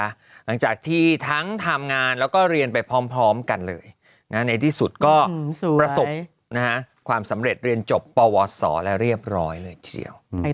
หลังจากที่ทั้งทำงานแล้วก็เรียนไปพร้อมกันเลยในที่สุดก็ประสบความสำเร็จเรียนจบปวสอแล้วเรียบร้อยเลยทีเดียว